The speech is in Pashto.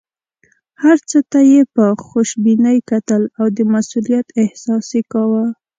هر څه ته یې په خوشبینۍ کتل او د مسوولیت احساس یې کاوه.